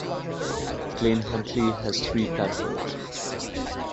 Glenhuntly has three platforms.